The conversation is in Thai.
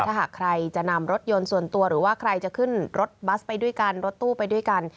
ถ้าหากใครจะนำรถยนต์ส่วนตัวหรือว่าใครจะขึ้นรถบัสไปด้วยกันรถตู้ไปด้วยกัน